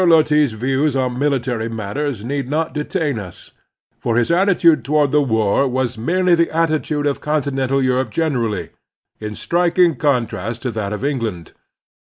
Loti's views on military matters need not detain us, for his attitude toward the war was merely the attitude of continental Europe gen erally, in striking contrast to that of England.